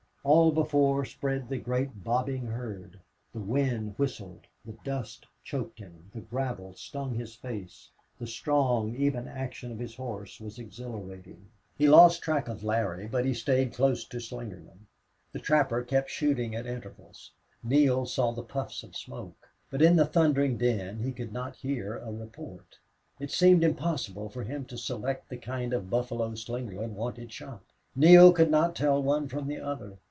All before spread the great bobbing herd. The wind whistled, the dust choked him, the gravel stung his face, the strong, even action of his horse was exhilarating. He lost track of Larry, but he stayed close to Slingerland. The trapper kept shooting at intervals. Neale saw the puffs of smoke, but in the thundering din he could not hear a report. It seemed impossible for him to select the kind of buffalo Slingerland wanted shot. Neale could not tell one from the other.